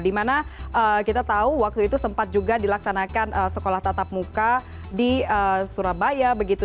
dimana kita tahu waktu itu sempat juga dilaksanakan sekolah tatap muka di surabaya begitu